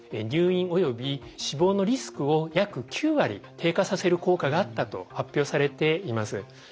入院および死亡のリスクを約９割低下させる効果があったと発表されています。